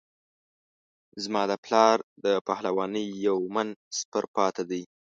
زما د پلار د پهلوانۍ یو من سپر پاته دی.